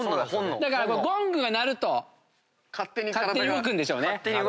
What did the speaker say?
だからゴングが鳴ると勝手に動くんでしょうね。